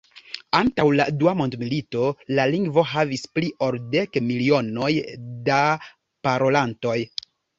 Antaŭ la dua mondmilito, la lingvo havis pli ol dek milionoj da parolantoj.